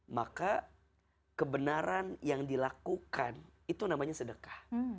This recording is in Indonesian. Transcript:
maka kebenaran yang dilakukan itu namanya sedekah